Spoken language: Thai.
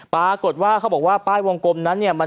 ปรากฏว่าเขาบอกว่าป้ายวงกลมนั้นเนี่ย